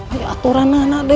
baik aturan anak anak